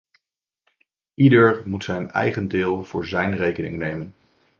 Ieder moet zijn eigen deel voor zijn rekening nemen.